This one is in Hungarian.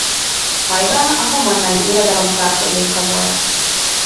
Hajdan a homonnai uradalom tartozéka volt.